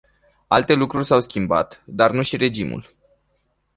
Alte lucruri s-au schimbat, dar nu și regimul.